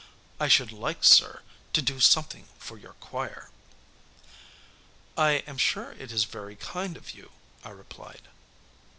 I should like, sir, to do something for your choir." "I am sure it is very kind of you," I replied.